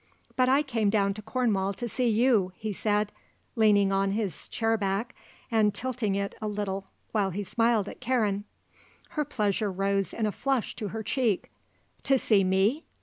"But I came down to Cornwall to see you," he said, leaning on his chair back and tilting it a little while he smiled at Karen. Her pleasure rose in a flush to her cheek. "To see me?"